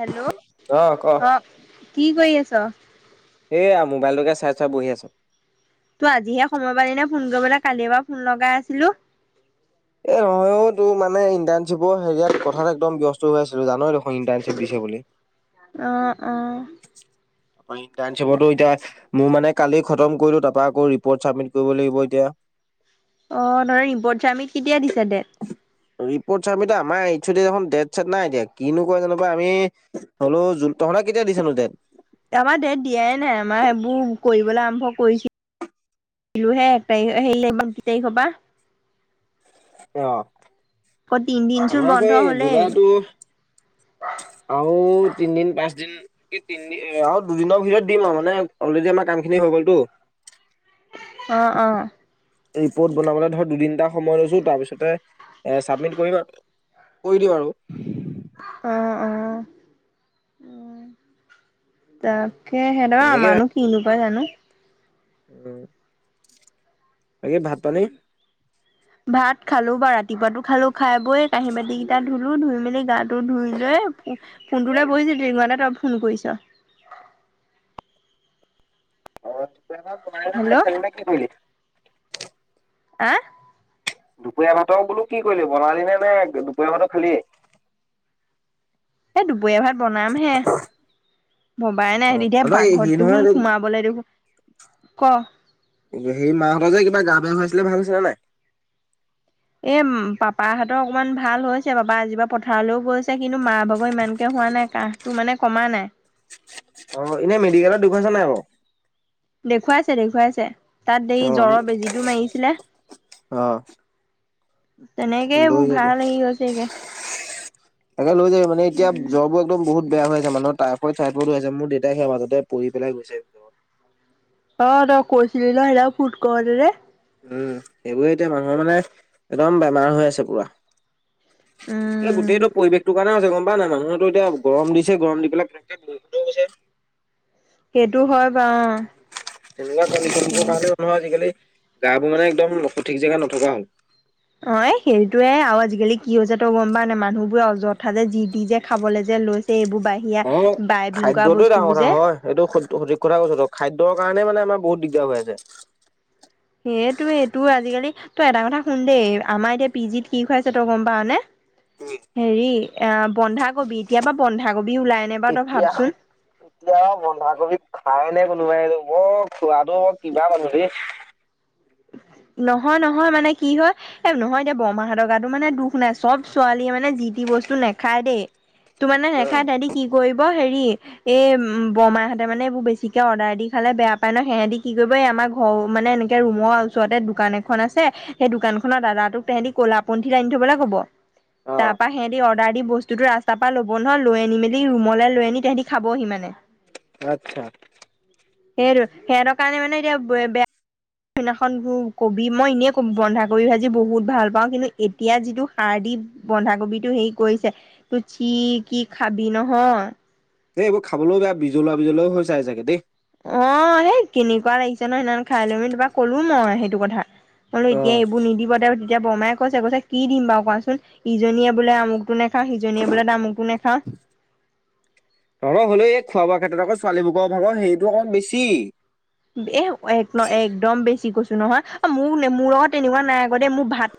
Hello অ কি কৰি আছ? এইয়া মোবাইল তোকে চাই চাই বহি আছো। তই আজিহে সময় পালি ন ফোন কৰিবলৈ কালি পৰা ফোন লগাই আছিলো। এ নহয় অ' তোৰ মানে ইণ্টাৰ্নশ্বিপৰ হেৰিয়াত কথাত একদম ব্যস্ত হৈ আছিলো জানয় দেখোন ইণ্টাৰ্ণশ্বিপ দিছে বুলি। আহ আহ। ইণ্টাৰ্নশ্বিপটো এতিয়া মোৰ মানে কালি খতম কৰিলোঁ তাৰপৰা আকৌ ৰিপৰ্ট ছাবমিট কৰিব লাগিব এতিয়া। অ ধৰা নিপদজ্ৰামিত কেতিয়া দিছা দে ৰিপৰ্ট ছাবমিট আমাৰ এই এখন ডেট চেট নাই এতিয়া কিনো কয় যেনিবা আমি হলো। তহতৰা কেতিয়া দিছেনো দেত? আমাৰ দেত দিয়াই নাই আমাৰ সেইবোৰ কৰিবলৈ আৰম্ভ কৰিছিল আহিলো হে এক তাৰিখ আহিলে ইমান কি তাৰিখ হবা। অ, আকৌ তিনদিন চোন আমাৰ স বন্ধ হলেই জুলাইটো আৰু তিনদিন পাঁচ দিন কি তিনদিন আৰু দুদিনৰ ভিতৰত দিম আৰু মানে অলৰেডি আমাৰ কাম খিনি হৈ গ'লতটো। আহ, আহ। ৰিপৰ্ট বনাবলৈ ধৰ দুটা সময় লৈছোঁ তাৰপিছতে এ চাবমিট কৰিম আৰু। কৈ দিয় আৰু। আহ, অ', ত, তে সহঁতৰ তেনেকে আমমানো কিনো পাই জানো উম। তাকে ভাত পানী ভাত খালো বা ৰাতিপুৱাাতো খালো খাই বৈ কাঁহী বাতি কেইটা ধুলো ধুই মেলি গাত টো ধুই লৈ ফো ফোনটো ল বহিছিল [unintelligible] তই ফোন কৰিছ। অ [unintelligible] বনাই হেল্ল' এলাই খালি নে কি কৰিলি? আহ, দুপৰীয়া ভাতৰ বোলো কি কৰিলো বনালি নে নে দুপৰীয়া ভাতো খালি ৱে ভাত বনাম হে। ভবাই অ নাই তেতিয়া তই হেৰি বাঘৰটো নহয় শোন সোমাবলৈ দেখোন ক সেই মা হতৰ যে কিবা গা বেয়া হৈছিলে ভাল হৈছে নে নাই? এ, পাপাহতৰ অকমান ভাল হৈছে পাপা আজি বাা পথাৰলৈও গৈছে কিন্তু মা ভাগৰ ইমানকে হোৱা নাই কাহটো মানে কমা নাই অ', এনে মেডিকেলত দেখুৱাছা নাই বাৰু দেখুৱাইছে দেখুৱাইছে তাত অ এই জ্বৰৰ বেজিটো মাৰিছিলে। অ। তেনেকে লৈ মোৰ যাবি ভাল হে গৈছেগে তাকে লৈ য মে এতিয়া উম জ্বৰ একদম বহুত বেয়া হৈ আছে মানুহৰ টাইফএড চাইফয়েড হৈ আছে মোৰ দেউতাই সেয়া মাজতে পৰি পেলাই গৈছে অ', তই কৈছিলি ন সৰা ফুট কৰেৰে উম সেইবোৰে এতিয়া মানুহৰ মানে একদম বেমাৰ হৈ আছে পুৰা। এ উম গোটেইটো পৰিৱেশটোৰ কাৰণে হৈছে গম না না না মানুহৰটো এতিয়া গৰম দিছে গৰম দি পেলাই তেনেকে বৰষুণ্দও গৈছে। সেইটো হয় বাউ অ তেনেকুৱা [inaudible] কাৰণে মানুহৰ আজিকালি গা বোৰ মানে একদম সঠিক জেগাত নথকা হ'ল অ সেইটোয়ে আৰু আজিকালি কি হৈছে তই গম পাও নে মানুহবোৰ অযথা যে যি দি যে খাবলে যে লৈছে এইবোৰ বাহিৰা অ বাইবিং কৰা খাদ্যটো ডাঙৰ বস্তুবোৰ কথা যে হয় এইটো সঠি সঠিক কথা কৈছ ত খাদ্যৰ কাৰণে মানে আমাৰ বহুত দিগ কিয় পাইছে? সেইটোয় এইটো আজিকালি তই এটা কথা শুন দেই আমাৰ এতিয়া পিজিত কি খুৱাইছে তই গম পাৱানে? উম। হেৰি এ বন্ধাকবি এতিয়া পৰা বন্ধাকবি ওলাই নে বাৰু তই এতিয়া, ভাবচোন এতিয়া বন্ধাকবি খায় নে কোন সোমোৱাই লব খুৱাটো ব কিবা মানুহ দেই। নহয় নহয় মানে কি হয় এ নহয় এতিয়া বৰমা হেতৰ গটো মানে দুখ নাই চব ছোৱালীয়ে মানে জি টি বস্তু নাখাই দেই তো মানে উম, নেখাই তেদি কি কৰিব হেৰি এই বৰমাই হতে মানে এইবোৰ বেছিকে অৰ্ডাৰ দি খালে বেয়া পায় ন সেহেতি কি কৰিব আমাৰ ঘৰ মানে এনেকে ৰুমৰ ওচৰতে দোকান এখন আছে সেই দোকান খনৰ দাদ তোক তেহেঁতি কলা পনঠিন আনি থবলৈ ক'ব। অ তাৰ পা সেহেঁতি অৰ্ডাৰ দি বস্তুতো আছ তাৰাপা ল'ব নহয় লৈ আনি মেলি ৰুমলৈ লৈ আনি তাহহাঁতি খাবহি মানে আচ্ছা। সেইটো সেহঁতৰ কাৰণে মানে এতিয়া বে বেয়া নহ সনভু কবি মই ইনেই কব বন্ধাকবি ভাজি বহুত ভাল পাওঁ কিন্তু এতিয়া যিটো সাৰ দি ব ন্ধাকবি টো হেৰি কৰিছে তোৰ চি কি খাবি নহয়। এ এইবোৰ খাবলৈও বেয়া বিজলুৱা বিজলুৱা হৈ চায় জাগে দেই। অ', সেই কেনেকুৱা লাগিছে ন সিদিনা খাই লৈমি তোপা কলো মই সেইটো কথা মোলো অ এতিয়াই এবোৰ নিদিব তাৰ তেতিয়া বৰমাই কৈছে, কৈছে কি দিম বাৰু কোৱাচোন ইজনীয়ে বোলে আমুকটো নে খা সিজনীয়ে বোলে তামুকটো নেখা। তেখেতৰ আকৌ ছোৱালীবোৰৰ ভাগৰ হেৰীটো অকমান বেছি। এ এক একদম বেছি কৈছো নহয়, অ' মোৰ-মোৰ লগত তেনেকুৱা নাই আকৌ দেই, মোৰ ভাত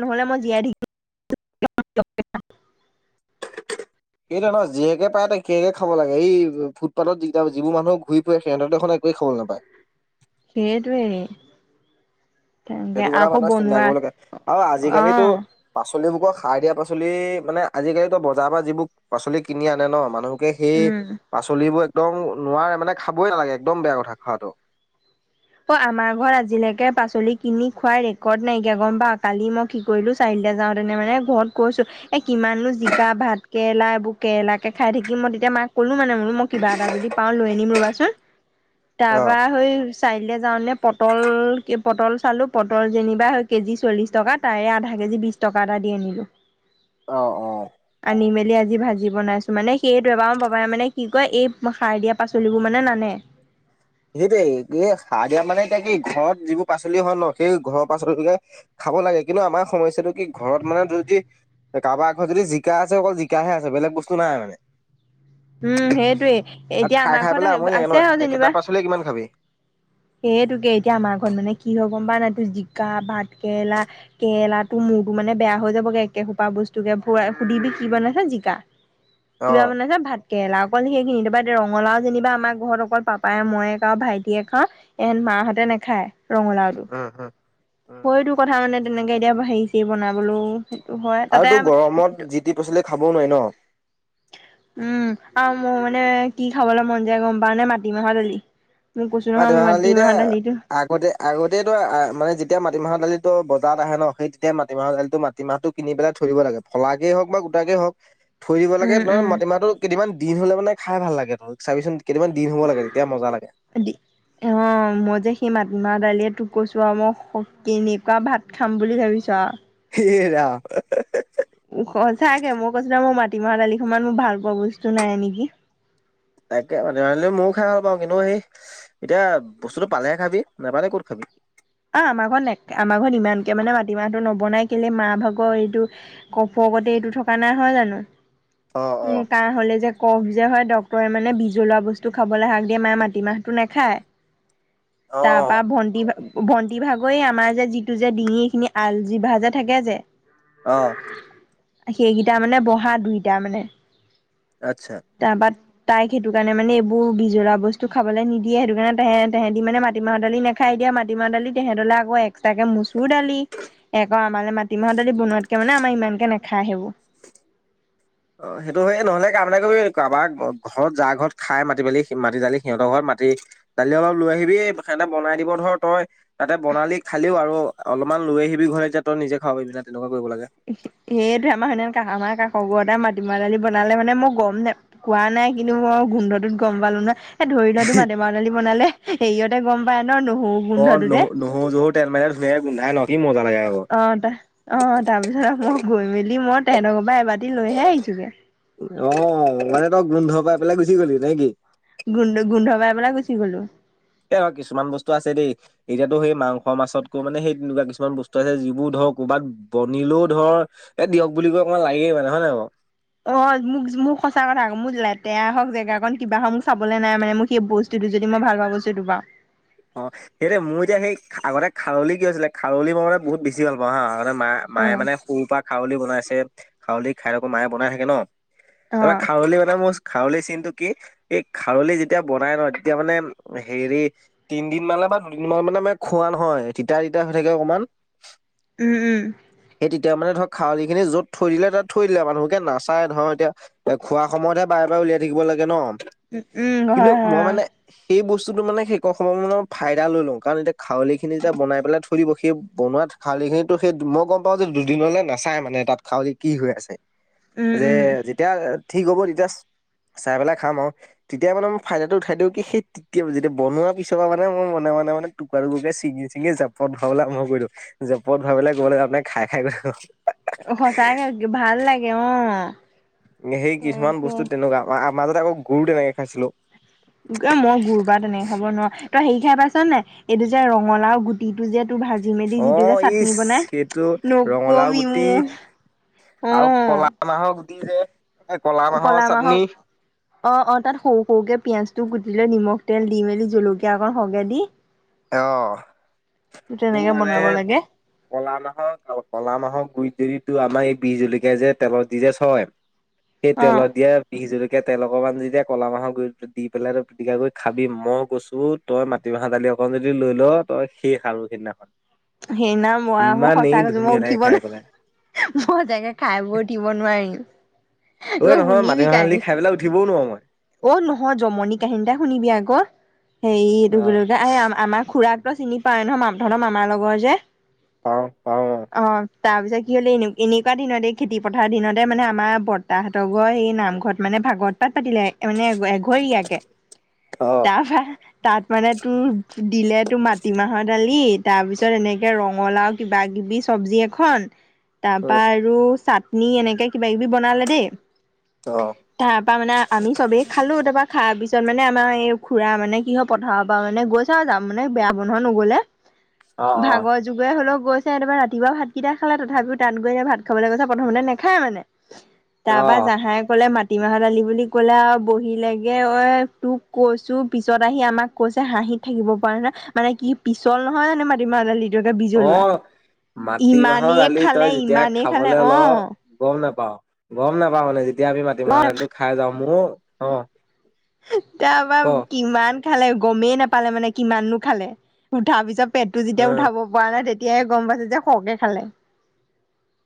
নহ'লে মই জীয়াই থাকিব [unintelligible] [inaudible] সেইটোৱেই ন, যিহকে পায় তাক-সেইয়াকে খাব লাগে, হেৰি ফুটপাথত যিকেইটা-যিবোৰ মানুহ ঘূৰি ফুৰে, সিহঁতৰ দেখোন এক একোৱেই খাবলৈ নাপায়। সেইটোৱেই। সেইটো কথা মানুহে চিন্তা কৰিব লাগে আৰু আজিকালি অ পাচলিবোকৰ সাৰ দিয়া পাচলি, মানে আজিকালিতো বজাৰৰ পৰা যিবোৰ পাচলি কিনি আনে ন, মানুহ কে সেই উম, পাচলিবোৰ এক [unintelligible] নোৱাৰে মানে খাবই নালাগে একদম বেয়া কথা খোৱাটো। অ', আমাৰ ঘৰত আজিলৈকে পাচলি কিনি খোৱাৰ ৰেকৰ্ড নাইকিয়া গম পাৱ, কালি মই কি কৰিলো চাইলো যাও তেনে মানে ঘৰত কৈছো, এ কিমাননো জিকা, ভাত কেৰেলা, এইবোৰ কেৰেলা কেে খাই থাকিম মই তেতিয়া মাক ক'লো মানে, মই বুলো মই কিবা এটা যদি পাওঁ লৈ আনিম ৰ'বাচোন, অ'। তাৰপৰা সৈই চাৰিআলিলৈ যাওঁতেনে পটল-পটল চালো পটল যেনিবা কেজি চল্লিশ টকা, তাৰে আধা কেজ কেজি বিশ টকা এটা দি আনিলো। অ' অ'। আনি মেলি আজি ভাজি বনাইছোঁ, মানে সেইটোৱেই, আমাৰ বাবাই মানে কি কৰে, এই সাৰ দিয়া পাচলিবোৰ মানে নানে। [inaudible] সেইটোৱে এই সাৰ দিয়া মানে এতিয়া কি ঘৰত যিবোৰ পাচলি হয় ন, সেই ঘৰৰ পাচলিকে খাব লাগে, কিন্তু আমাৰ সমস্যাটো কি ঘৰত মানে [unintelligible] কাৰোবাৰ ঘৰত যদি জিকা আছে, অকল জিকাহে আছে, বেলেগ বস্তু নাই মানে। উম, সেইটোয়ে, আৰু এতিয়া খাই আমাৰ খাই ঘৰত পেলাই আমনি লাগে ন আছে আৰু একেটা যেনিবা পাচলিয়ে কিমান খাবি। সেইতোকে, এতিয়া আমাৰ ঘৰত মানে কি হ'ল গম পাৱ নাই, তোৰ জিকা, ভাত কেৰেলা, কেৰেলা, তোৰ মূৰটো মানে বেয়া হৈ যাবগে একেসোপা বস্তুকে সুধিবি কি বনাইছে জিকা, কিবা অ', বনাইছা ভাত কেৰেলা, অকল সেইখিনি, তাৰপৰা এতিয়া ৰঙালাও যেনিবা আমাৰ ঘৰত অকল পাপাই মইয়ে খাওঁ, ভাইটিয়ে খাওঁ, এহেঁত মা মাহঁতে নাখায়। উম, উম। উম। সেইটো কথা মানে তেনেকে এতিয়া হেৰি চেৰী বনাবলৈও [unintelligible] হয়, আৰু তাতে তোৰ গৰমত আমাৰ যি টি পাচলি খাবও নোৱাৰি ন উম, আৰু মোৰ মানে কি খাবলৈ মন যায় গম পাৱ নে, মাটিমাহৰ দালি। মোক কৈছো নহয় মোৰ মাটিমাহৰ [unintelligible] দালিটো আগতে-আগতেতু মানে যেতিয়া মাটিমাহ দালিতো বজাৰত আহে ন, সেই তেতিয়াই মাটিমাহৰ দালিটো-মাটিমাহটো কিনি পেলাই থৈ দিব লাগে, ফলাকেই হওঁক বা গোটাকেই হওঁক থৈ দিব লাগে, উম নহয় উম মাটিমাহটো কেইদিনমান-দিন হ'লে মানে খাই ভাল লাগে, তই চাবিচোন কেইদিনামান দিন হ'ব লাগে তেতিয়া মজা লাগে। অ', মই যে সেই মাত মাহ দালিয়ে তোক কৈছো আৰু, মই কেনেকুৱা ভাত খাম বুলি ভাবিছ আৰু। এ ৰাম। উ, সঁচাকে, মই কৈছো নহয় মোৰ মাটিমাহৰ দালিসমান মোৰ ভাল পোৱা বস্তু নাই নেকি। তাকে ময়ো খাই ভাল পাওঁ কিন্তু সেই এতিয়া বস্তুটো পালেহে খাবি নোপালে ক'ত খাবি। অ আমাৰ ঘৰত ন আমাৰ ঘৰত ইমানকে মানে মাটিমাহটো নবনাই কেলে মাহ ভাগৰ এইটো কফ লগতে এইটো থকা নাইহয় জানো অ', অ'। কাহ হলে যে ক। যে হয় ডক্তৰে মানে বিজলোৱা বস্তু খাবলৈ শাক দিয়ে মায়ে মাটিমাহটো নেখায়। তাৰপা অ', ভণ্টি ভণ্টি ভাগৰ এ আমাৰ যে, যিটো যে, ডিঙি এইখিনি আলজিভা যে থাকে যে আহ। সেইকেইটা মানে বহা দুইটা মানে। আচ্ছা। তাৰপা তাইক সেইটো কাৰণে মানে এইোৰ বিজলৰা বস্তু খাবলৈ নিদিয়ে সেইটো কাৰণে তাহে তেহেতি মানে মাটিমাহত দালি নেখাই দিয়া মাট। [unintelligible] দালি তেহেতলে আকৌ এক তাকে মচুৰ দালি আকৌ আমাৰে মাটিমাহৰ দালি বনোৱাতকে মানে আমাৰ ইমানকে ন [unintelligible] অ সেইটো হয়য়ে নহ'লে কামে কৰিব কাৰোবাৰ ঘৰত যা ঘৰত খাই মাটি দালি মাটি দালি সিহঁতৰ ঘৰত [unintelligible] দালি অলপ লৈ আহিবি, [unintelligible] বনাই দিব ধৰ তই তাতে বনালি খালিও আৰু অলপমান লৈ আহিবি ঘৰৰত এতিয়া তই নিজে খাবি তেনেকুৱা কৰিব লাগে। সেইটো আমাৰ শুন কষ আমাৰ কাষ খৰুআইটাই মাটিমাহ দালি বনালে মানে মই গম নাই কোৱা নাই কিন্তু মই গোন্ধটোত গম পালো ন। এ ধৰি লতো [unintelligible] মাহ দালি বনালে হেৰিয়তে গম পায় ন, নহৰু গোন্ধটোতে সেই গোন্ধাই কি মজা। লাগে আকৌ। অ ত অ তাৰপিছত মই গৈমি মই তেহেঁতৰ পৰা এবাৰি লৈহে আহিছোগে অ মানে তই গোন্ধ পাই পেলাই গুচি গলি নে কি গু গুন্ধ বাই বল গুচি গ'লো এই কিছুমান বস্তু আছে দেই, এতিয়াতো সেই মাংস মাছতকো মানে সেই তেনেকুৱা কিছুমান বস্তু আছে যিবোৰ ধৰ ধ ক'ৰবাত বনিলেও ধৰ এ দিয়ক বুলি কৈ অকমান লাগেই মানে হয় নে নাই বাৰু অ মোক মোৰ সঁচা কথা আকৌ মোৰ লেতেৰা হওঁক জেগা কন কিবা হওঁ মোক চাবলৈ নাই মানে মোক সেই বস্তু যদি মই ভালপোৱা বস্তুটো পাওঁ। অ', সেইটোৱে মোৰ এতিয়া সেই আগতে খাৰলি কি হৈছিলে, খাৰলি মই মানে বহুত বেছি ভাল পাওঁ হা অ মা-মায়ে মানে সৰুৰ পৰা খাৰলী বনাইছে, খাৰলি খাই থাকোঁ মায়ে বনাই থাকে ন অ তাৰপা খাৰলি মানে [unintelligible] খাৰলি চিনটো কি এই খাৰলি যেতিয়া বনাই ন তেতিয়া মানে হেৰি তিনিদিন মানে বা দুদিন ম মানে মে খোৱা নহয় তিতা তিতা হৈ থাকে অকণমান উম, উম। এতিয়া মানে ধৰক খাৱলি খিনি যত থৈ দিলে তাত থৈ দিলে মানুহকে নাচাই ধৰ এতিয়া খোৱাৰ সময়তহে বায় বাৰে [unintelligible] থাকিব লাগে ন, উম উম কিন্তু হয় হয় মই অ মানে, সেইবস্তুটো মানে সে [unintelligible] ফাইদা লৈ লওঁ, কাৰণ এতিয়া খাৰলিখিনি যেতিয়া বনাই পেলাই থৈ দিব, সেই বনোৱা খাৰলিখিনিতো সেই মই গম পাওঁ যে দুদিনলে নাচাই মানে তাত খাওঁল কি হৈ আছে উম যে উম যেতিয়া ঠিক হ'ব ততাচ চাই পেলাই খাম আৰু তেতিয়া মানে মই ফাইদাটো উঠাই দিওঁ কি সেই তে যেতিয়া বনোৱা পিছৰ মানে মই মনে মানে টুকুৰা টুকুৰ চিঙি চিঙি জপত ভৰাবলৈ আৰম্ভ কৰিলো জপত ভবলে গ'ল আৰু। [unintelligible] খাই খাই গৈ সঁচাকে ভাল লাগে, অ'। সেই কিছুমান তাকে বস্তু তেনেকুৱা, মাজতে আকৌ গুৰু তেনেকে খাইছিলো। মই গুৰ বা তেনেকে খাব নোৱাৰো তই হেৰি খাই পাইছ নে এইটো যে ৰঙালাও গুটিটো যে ভাজি মেলি অ যিটো যে ইচ চাটনি বনাই, সেইটো ৰঙালাও নকবি গুটি মো আৰু কলা মাহৰ গুটি যে, কলা মাহৰ চাটনি অ', অ তাত সৰু সৰুকে পিয়াজটো কুটি লৈ নিমখ তেল দি মেলি জলকীয়া অকণ সগে দি অ'। তোৰ তেনেকে মানে বনাব লাগে কলা মাহৰ কলা মাহৰ গুই যদি তোৰ আমাৰ এই বিহ জলকীয়া যে তেলত দি যে থই, সেই অ', তেলত দিয়া বিহ জলকীয়া তেলত অকণমান যেতিয়া ক'লা মাহৰ গুৰি দি পেলাই তই পিটিকা কৰি খাবিম মই গৈছো তই মাটিমাহৰ দালি অকণ যদি লৈ ল তই শেষ আৰু সিদিনাখন সেইনা মই মই সঁচাক কৈ মই লাগে উঠিব খাই নাই পেলাই মইজেগে খাই বৈ দিব উঠিব নোৱাৰিম। ব ঐ নহয় উুনি বি মাটিমাহৰ কাই দালি খাই পেলাই উঠিবও নোৱাৰো মই অ', নহয় জমনি কাহিনী এটা শুনিবি আকৌ হেৰি এইটো অ এই আমাৰ খুৰাকতো চিনি পোৱাাই নহয় ধৰ মামৰ লগৰ যে পাওঁ পাওঁ তাৰ পিছত কি হলে এনে-এনেকুৱা দিনতে, খেতি পথাৰৰ দিনতে মানে আমাৰ বৰ্তাহতৰ ঘৰ সেই নামঘৰত মানে ম ভাগত পাত পাতিলে মানে এঘৰীয়াকে অ তাৰপৰা তাত মানে তোৰ দিলে তোৰ মাটিমাহৰ দালি, তাৰপিছ তিছত এনেকে ৰঙালাও কিবা কিবি চব্জি এখন, অ ‌তাৰপা আৰু চাট নি, এনেকে কিবা কিবি বনালে দেই। অ তাৰ পৰা মানে আমি চবেই খালোঁ, তাৰপা খাই-পিছত মানে আমাৰ এই খুৰা, মানে কি হয়, পথাৰৰ পৰা গৈছে আৰু যাম মানে বেয়া [unintelligible] নগ'লে অ ভাগৰ যুগে হলেও গৈছে একেবাৰে ৰাতিপুৱা ভাতকেইটা খালে, তথাপিও তাত গৈ এনে ভাত খাবলৈ গৈছে। প্ৰথমতে নেখায় মানে অ তাৰপা জাহাই কলে মা কিবাহৰ দালি বুলি ক'লে আৰু বহিলেগৈ অই! তোক কৈছোঁ, পিছত আহি আমাক কৈছে, হাঁহি থাকিব পৰা নাই, মানে কি পিছল নহয় জানে মাটিমাহ দালি অ', মাটি মাহৰ ইমানেই দালি, খালে তই যেতিয়া ইমানেই খালে খাবলৈ অ' ল', গম নেপা পাওঁ। গম নাপাও মানে, যেতিয়া আমি মাটি মাহৰ অ' দালিটো খাই যাওঁ মোৰ অ' তাৰপৰা ক কিমান খালে গমেই নাপালে মানে কিমাননো খালে, উঠাৰ পিছত পেটটো অ যেতিয়া উঠাব পৰা নাই তেতিয়ে গম পাইছে যে খৰকে খালে।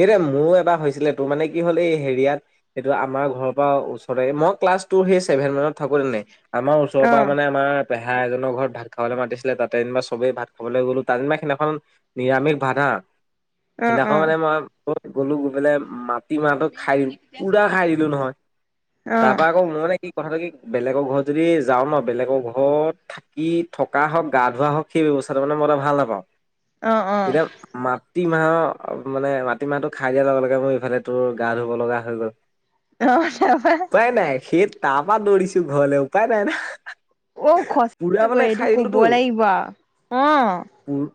এইদৰে মোৰো এবাৰ হৈছিলে। তোৰ মানে কি হ'ল, এই হেৰিয়াত, এইটো আমাৰ ঘৰৰ পৰা ওচৰৰে, মই ক্লা লাছ সেই চছেভেন মত থাকো তেনে, আমাৰ ওচৰ পৰা অ' মানে, আমাৰ পেহা এজনৰ ঘৰত ভাত খাবলৈ মাতিছিল। তাতে যেনিবা চবেই ভাত খাবলৈ গ'লোঁ। তাত যেনিবা সেইদিনাখন নিৰামিষ ভাত হা আ, অ' সেইদিনাখন অ' মানে মই গ'লোঁ গৈ পেলাই, মাট টি মাহ ভাত খাই, পুৰা খাই দিলোঁ নহয়। তাৰ অ' পৰা আকৌ মই মানে কি কথাটো কি, বেলেগৰ ঘৰত যদি যাওঁ ন', বেলেগৰ ঘৰত থাকি, থকা হওক, গা ধোৱা হওক, সেই [unintelligible] মানে মই ভাল নাপাওঁ। অ'-অ'। মাটি মাহৰ, মানে, মাটিমাহটো খাই দিয়াৰ লগে-লগে মোৰ, ইফালে তোৰ গা ধুব লগা হৈ গ'ল। অ', তাৰপৰা উপায় নাই সেই তাৰ পৰাা দৌৰিছো ঘৰলে উপায় নাই ন। অ', সচাকৈ, এইটো ক'ব লাগিব আৰু অ'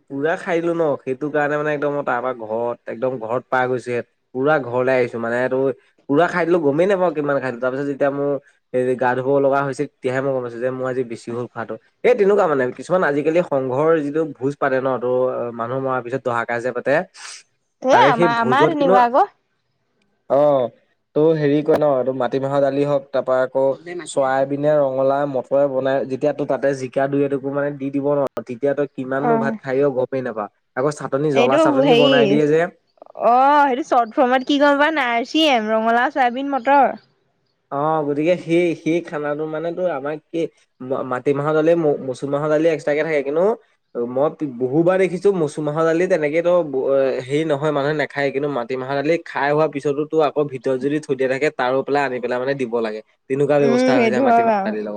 পুৰা খাই দিলোঁ ন', সেইটো কাৰণে মানে, মই একদম তাৰ পৰা ঘৰত, একদম ঘৰত পাই গৈছে, পুৰা ঘৰলৈ আহিছোঁ। মানে তোৰ, পুৰা খাই দিলোঁ, গমেই নাপাওঁ কিমান খাইছোঁ। তাৰ পিছত যেতিয়া মোৰ এ' গা ধুব লগা হৈছে, তেতিয়াহে মই গম পাইছো যে, মই আজি বেছি হল খোৱাাতটো, এ তেনেকুৱা মানে কিছুমান আজিকালি সংঘৰ যিটো ভোজ পাতে ন, তো মানুহ মৰাৰ পিছত দহাকাইছে পাতে এে তাৰে আম সেই ভোজত আমাৰ কিন্তু তেনেকোৱাই আক। অ', তোৰ হেৰি কয় ন', তোৰ মাটিমাহৰ দালি হওক তাৰ পৰা আকৌ চৰাই পিনে ৰঙালা ডক্তৰে বনাই, যেতিয়া তোৰ তাতে, জিকা দুই-এটুকুৰা মানে দি দিব নহয় তেতিয়া তই অ কিমাননো ভাত খাৱ, গমেই নাপাৱ। আকৌ চাটনি জ্বলা এইটো চাটনি হেৰি, বনাই দিয়ে যে অ' চৰ্ট ফৰ্মত কি কয় গম পাৱ নে? আৰ্চিএম, ৰঙালাও, চয়াবিন, মটৰ। অ', গতিকে সেই, সেই খানাটো মানে তোৰ, আমাক সেই মাটি মাহৰ দালি, ম-মচুৰ মাহৰ াল [unintelligible] এক্স্ৰ থাকে কিন্তু মই বহু বাৰ দেখিছো মচুমাহৰ দালি তেনেকে তো নহয়, মানুহে নেখায়। কিন্তু মাটিমাহৰ দালি খাই হোৱাৰ পিছতো ত', আকৌ ভিতৰত যদি থৈ দিয়া থাকে, তাৰো পেলাই, আনি পেলাই মানে, দিব লাগে। তেনেকুৱা ব্যৱস্থা উম হৈ যায় সেইটো হয় মাটিমাহৰ দালিৰ বাৰু লগত।